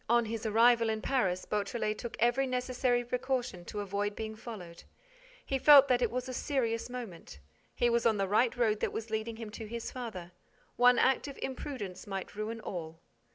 On his arrival in Paris, Beautrelet took every necessary precaution to avoid being followed. He felt that it was a serious moment. He was on the right road that was leading him to his father: one act of imprudence might ruin all.